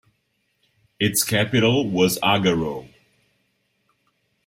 Its capital was Agaro.